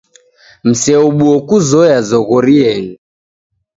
Mseobuo kuzoya zoghori yenyu.